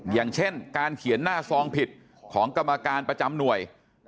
อย่างเช่นการเขียนหน้าซองผิดของกรรมการประจำหน่วย